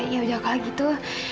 ya udah kalau gitu